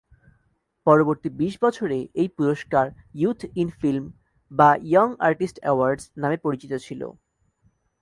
পরবর্তী বিশ বছরে এই পুরস্কার youth in film young artist awards নামে পরিচিত ছিল।